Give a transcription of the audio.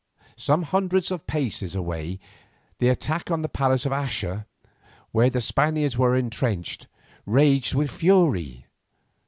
Some hundreds of paces away the attack on the palace of Axa, where the Spaniards were entrenched, raged with fury.